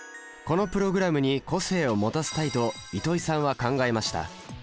このプログラムに個性を持たせたいと糸井さんは考えました。